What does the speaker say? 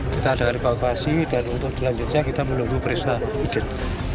kita ada revakuasi dan untuk jelan jenazah kita menunggu perisai identitas